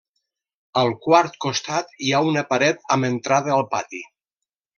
Al quart costat hi ha una paret amb entrada al pati.